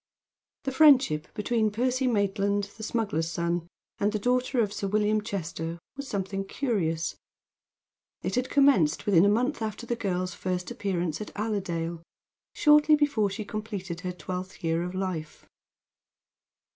The friendship between Percy Maitland, the smuggler's son, and the daughter of Sir William Chester was something curious. It had commenced within a month after the girl's first appearance at Allerdale shortly before she had completed her twelfth year of life.